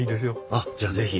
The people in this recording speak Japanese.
あっじゃあ是非。